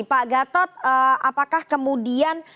pak gatot apakah kemudian